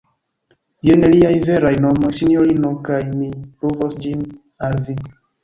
jen liaj veraj nomoj, sinjorino, kaj mi pruvos ĝin al vi.